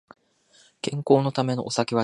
健康のためお酒はちょっとだけ控える